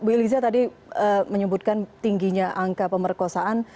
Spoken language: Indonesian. bu eliza tadi menyebutkan tingginya angka pemerkosaan